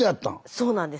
そうなんです。